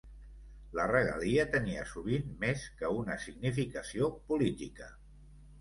La regalia tenia sovint més que una significació política.